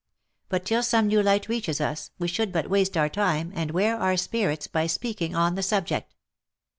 But till some new light reaches us, we should but waste our time, and wear our spirits by speaking on the subject.